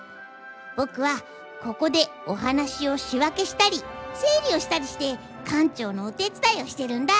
ぼくはここでお話をしわけしたりせい理をしたりしてかん長のお手つだいをしてるんだ。